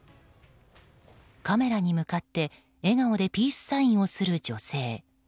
カメラに向かって笑顔でピースサインをする女性。